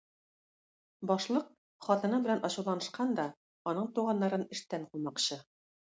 Башлык хатыны белән ачуланышкан да, аның туганнарын эштән кумакчы.